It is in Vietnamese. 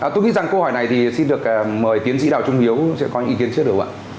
tôi nghĩ rằng câu hỏi này thì xin được mời tiến sĩ đào trung hiếu sẽ có ý kiến trước được không ạ